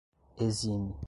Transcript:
exime